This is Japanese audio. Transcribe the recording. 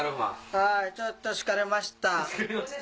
はいちょっと疲れました。